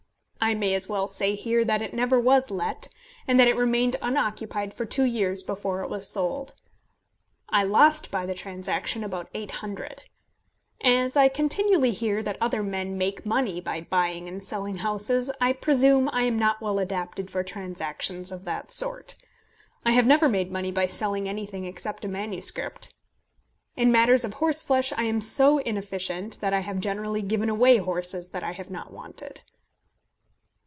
I may as well say here that it never was let, and that it remained unoccupied for two years before it was sold. I lost by the transaction about £800. As I continually hear that other men make money by buying and selling houses, I presume I am not well adapted for transactions of that sort. I have never made money by selling anything except a manuscript. In matters of horseflesh I am so inefficient that I have generally given away horses that I have not wanted.